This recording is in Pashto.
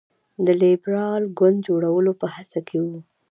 د لېبرال ګوند جوړولو په هڅه کې وو.